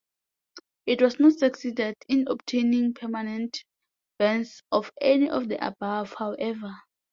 It has not succeeded in obtaining permanent bans of any of the above, however.